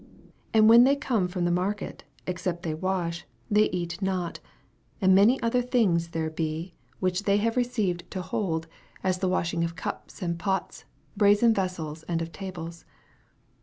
4 And wJien they come from the ma ket, except they wash, they eat not And many other thrigs there be, 134 EXPOSITORY THOUGHTS. which they have received to hold, as the washing of cups, and pots, braseu Vessels, and of tables.